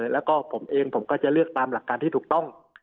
แล้วก็ผมเองผมก็จะเลือกตามหลักการที่ถูกต้อง